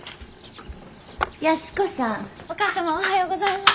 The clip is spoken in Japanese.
安子さん。お義母様おはようございます。